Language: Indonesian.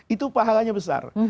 itu pahalanya besar